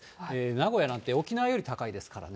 名古屋なんて、沖縄より高いですからね。